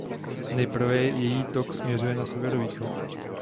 Nejprve její tok směřuje na severovýchod.